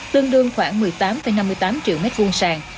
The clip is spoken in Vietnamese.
tương đương khoảng một mươi tám năm mươi tám triệu m hai sàng